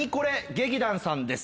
劇団さんです。